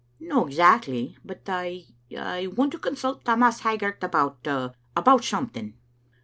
" No exactly, but I — I want to consult Tammas Hag* gart about — about something."